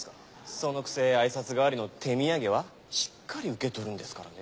そのくせ挨拶代わりの手土産はしっかり受け取るんですからね。